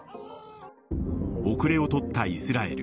後れを取ったイスラエル。